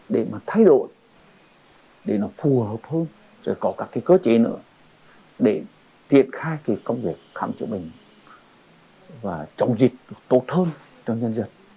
để mà thay đổi để nó phù hợp hơn rồi có các cái cơ chế nữa để triển khai cái công việc khám chữa bệnh và chống dịch nó tốt hơn cho nhân dân